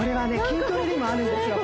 筋トレにもあるんですよ